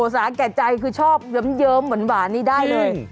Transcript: สาเกจัยชอบหยำเยิมหวานนี่ได้เลย